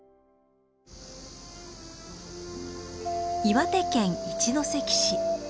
岩手県一関市。